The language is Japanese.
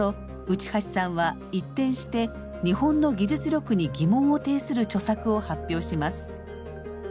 内橋さんは一転して日本の技術力に疑問を呈する著作を発表します。